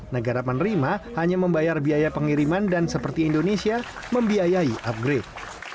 negara penerima hanya membayar biaya pengiriman dan seperti indonesia membiayai upgrade